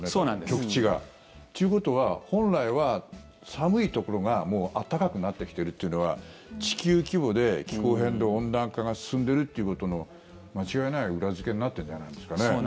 極地が。ということは本来は寒いところが暖かくなってきているというのは地球規模で気候変動、温暖化が進んでいるということの間違いない裏付けになっているんじゃないですかね。